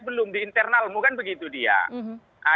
belum di internal bukan begitu dia